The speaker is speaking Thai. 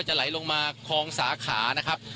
จะลายลงมาคอร์งสาขานะครับ